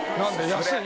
安い？